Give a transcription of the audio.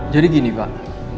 jadi gini pak